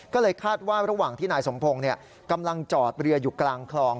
ก็เลยคาดว่าระหว่างที่นายสมพงศ์กำลังจอดเรืออยู่กลางคลอง